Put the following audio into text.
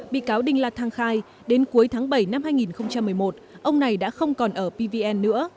bị cáo đinh la thăng khai đến cuối tháng bảy năm hai nghìn một mươi một ông này đã không còn ở pvn nữa